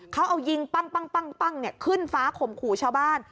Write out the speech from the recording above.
เขายิงปั้งปั้งปั้งขึ้นฟ้าข่มขู่ชาวบ้าน